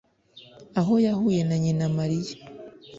aho yahuye na nyina Mariya